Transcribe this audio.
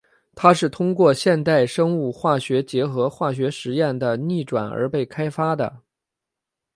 它是通过现代生物化学结合化学实验的逆转而被开发的。